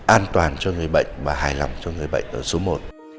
an toàn cho người bệnh và hài lòng cho người bệnh ở số một